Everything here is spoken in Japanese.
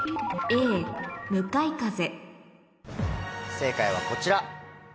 正解はこちら。